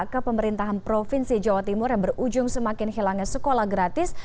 ke pemerintahan provinsi jawa timur yang berujung semakin hilangnya sekolah gratis